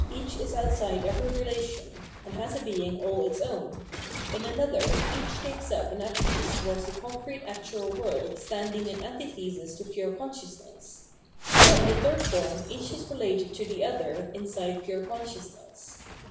'^ 540 Phenomenology of Mind is outside every relation, and has a being all its own ; in another each takes up an attitude towards the concrete actual world standing in antithesis to pure consciousness ; while in the third form each is related to the other inside pure consciousness.